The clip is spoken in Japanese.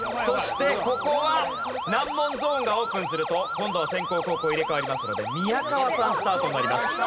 そしてここは難問ゾーンがオープンすると今度は先攻後攻入れ替わりますので宮川さんスタートになります。